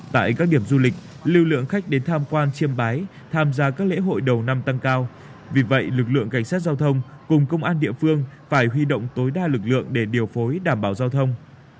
tại các điểm du lịch lưu lượng khách đến tham quan chiêm bái tham gia các lễ hội đầu năm tăng cao vì vậy lực lượng cảnh sát giao thông cùng công an địa phương phải huy động tối đa lực lượng để điều phối đảm bảo giao thông